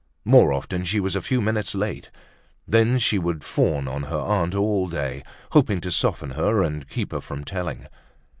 More often she was a few minutes late. Then she would fawn on her aunt all day, hoping to soften her and keep her from telling.